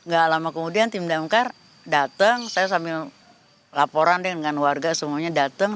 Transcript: gak lama kemudian tim damkar datang saya sambil laporan dengan warga semuanya datang